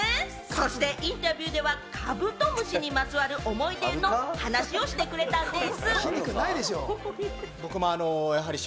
そしてインタビューではカブトムシにまつわる思い出を話してくれたんでぃす。